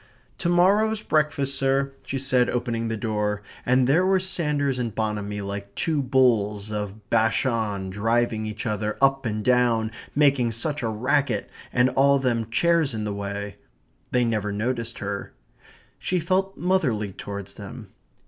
"To morrow's breakfast, sir," she said, opening the door; and there were Sanders and Bonamy like two bulls of Bashan driving each other up and down, making such a racket, and all them chairs in the way. They never noticed her. She felt motherly towards them.